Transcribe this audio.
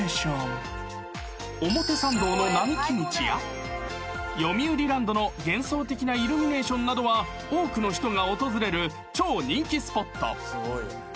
［表参道の並木道やよみうりランドの幻想的なイルミネーションなどは多くの人が訪れる超人気スポット］